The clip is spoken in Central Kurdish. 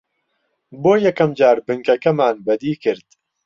بۆ یەکەم جار بنکەکەمان بەدی کرد